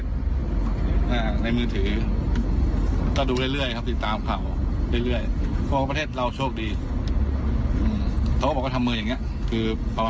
ดีไม่ดีใช่ไหม